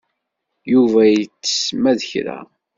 Yuba itess ma d kra.